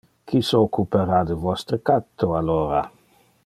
Qui se occupara de vostre catto alora?